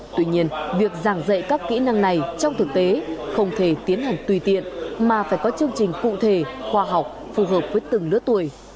tuy nhiên việc giảng dạy các kỹ năng này trong thực tế không thể tiến hành tùy tiện mà phải có chương trình cụ thể khoa học phù hợp với từng lứa tuổi